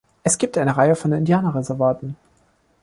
Es gibt eine Reihe von Indianerreservaten.